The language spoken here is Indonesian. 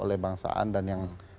oleh bangsaan dan yang